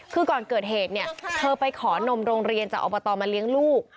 คือก่อนเกิดเหตุเนี่ยเธอไปขอนมโรงเรียนจากอบตมาเลี้ยงลูก